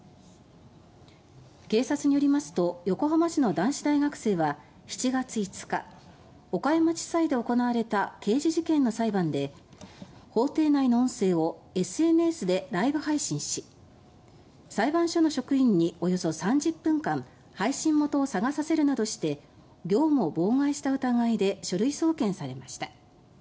警察によりますと横浜市の男子大学生は７月５日岡山地裁で行われた刑事事件の裁判で法廷内の音声をＳＮＳでライブ配信し裁判所の職員におよそ３０分間配信元を探させるなどして業務を妨害した疑いで書類送検されました。